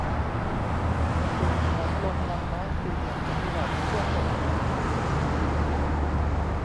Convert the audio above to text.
บรรจุของลงลังไม้สี่เหลี่ยมจัตุรัสเพื่อส่ง